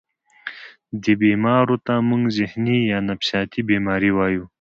دې بيمارو ته مونږ ذهني يا نفسياتي بيمارۍ وايو